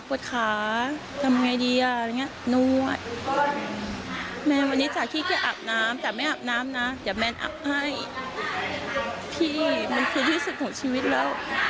พี่มันคือริสุทธิ์ของชีวิตอ้าว